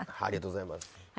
ありがとうございます。